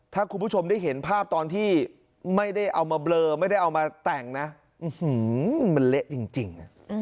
ถ้าคุณผู้ชมได้เห็นภาพตอนที่ไม่ได้เอามาเบลอไม่ได้เอามาแต่งนะมันเละจริง